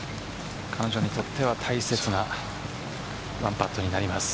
彼女にとっては大切な１パットになります。